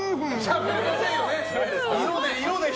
しゃべれませんよね。